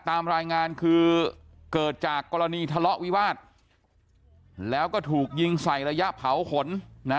ตามรายงานคือเกิดจากกรณีทะเลาะวิวาสแล้วก็ถูกยิงใส่ระยะเผาขนนะ